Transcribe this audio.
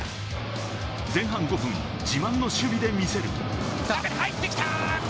前半５分、自慢の守備で見せる。